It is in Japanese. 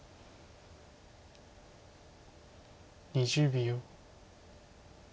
２０秒。